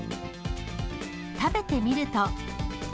食べてみると。